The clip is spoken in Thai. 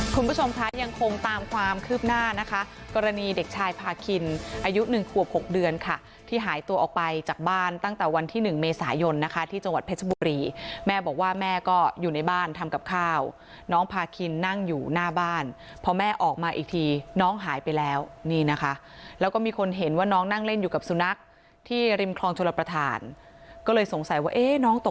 คุณผู้ชมคะยังคงตามความคืบหน้านะคะกรณีเด็กชายพาคินอายุหนึ่งขวบ๖เดือนค่ะที่หายตัวออกไปจากบ้านตั้งแต่วันที่หนึ่งเมษายนนะคะที่จังหวัดเพชรบุรีแม่บอกว่าแม่ก็อยู่ในบ้านทำกับข้าวน้องพาคินนั่งอยู่หน้าบ้านพอแม่ออกมาอีกทีน้องหายไปแล้วนี่นะคะแล้วก็มีคนเห็นว่าน้องนั่งเล่นอยู่กับสุนัขที่ริมคลองชลประธานก็เลยสงสัยว่าเอ๊น้องตก